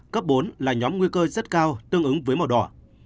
cấp bốn là nhóm nguy cơ rất cao tương ứng với màu đỏ